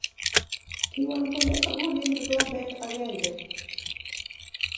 kiwol kole akonin kikombet akenge